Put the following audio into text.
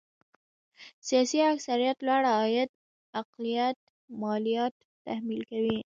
سیاسي اکثريت لوړ عاید اقلیت ماليات تحمیل کوي.